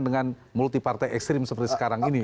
dengan multi partai ekstrim seperti sekarang ini